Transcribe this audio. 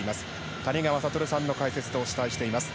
谷川聡さんの解説でお伝えしています。